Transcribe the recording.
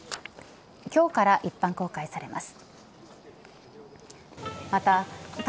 今日から一般公開されます。